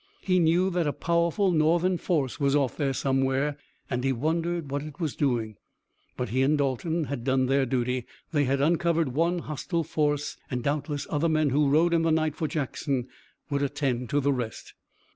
He knew that a powerful Northern force was off there somewhere, and he wondered what it was doing. But he and Dalton had done their duty. They had uncovered one hostile force, and doubtless other men who rode in the night for Jackson would attend to the rest.